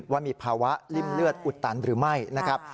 ว่ามีภาวะริ่มเลือดอุดตันหรือไม่นะครับ